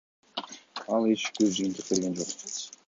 Ал эч бир жыйынтык берген жок.